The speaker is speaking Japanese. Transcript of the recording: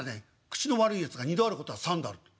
口の悪いやつが『二度あることは三度ある』って。